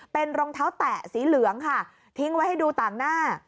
เป็นรองเท้าแตะสีเหลืองค่ะทิ้งไว้ให้ดูต่างหน้า